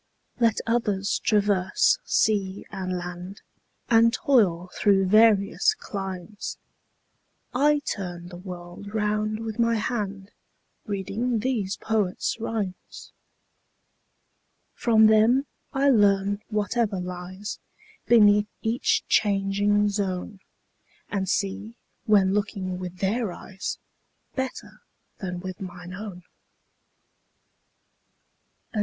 Let others traverse sea and land, And toil through various climes, 30 I turn the world round with my hand Reading these poets' rhymes. From them I learn whatever lies Beneath each changing zone, And see, when looking with their eyes, 35 Better than with mine own. H. W.